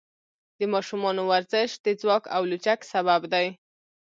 د ماشومانو ورزش د ځواک او لچک سبب دی.